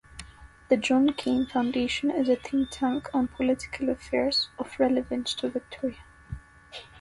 The John Cain Foundation is a thinktank on political affairs of relevance to Victoria.